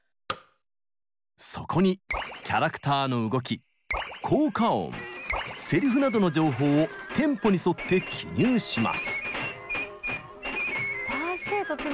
そこにキャラクターのなどの情報をテンポに沿って記入します。